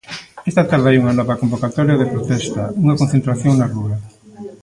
Esta tarde hai unha nova convocatoria de protesta, unha concentración na rúa.